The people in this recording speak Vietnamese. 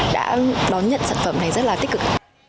đã đón nhận sản phẩm này rất là tích cực